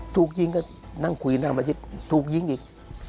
ถูกยิงก็นั่งคุยนั่งมาชิดถูกยิงอีก